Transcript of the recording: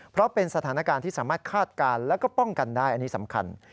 เพราะเป็นสถานการณ์ที่สามารถคาดการณ์แล้วก็ป้องกันได้อันนี้สำคัญ